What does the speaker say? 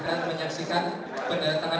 banten dan bantuan